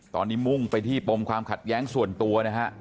ตอนนี้มุ่งไปที่ปมความขัดแย้งส่วนตัวนะฮะ